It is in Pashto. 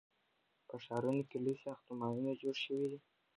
په ښارونو کې لوی ساختمانونه جوړ شوي دي.